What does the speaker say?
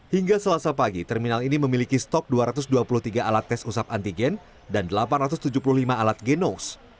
hingga selasa pagi terminal ini memiliki stok dua ratus dua puluh tiga alat tes usap antigen dan delapan ratus tujuh puluh lima alat genos